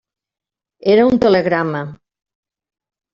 Era un telegrama.